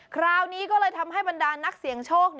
คราวนี้ก็เลยทำให้บรรดานักเสี่ยงโชค